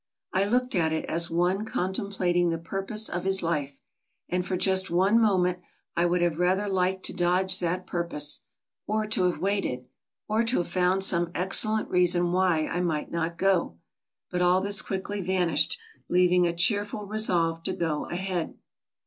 I looked at it as one contemplating the purpose of his life; and for just one moment I would have rather liked to dodge that purpose, or to have waited, or to have found some ex cellent reason why I might not go; but all this quickly vanished, leaving a cheerful resolve to go ahead.